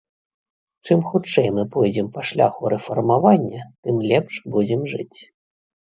Чым хутчэй мы пойдзем па шляху рэфармавання, тым лепш будзем жыць.